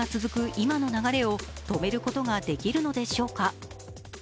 今の流れを止めることができるのでしょうか。